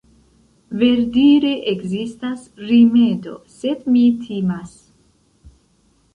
verdire ekzistas rimedo, sed mi timas.